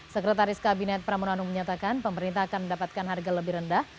sekretaris kabinet pramono menyatakan pemerintah akan mendapatkan harga lebih rendah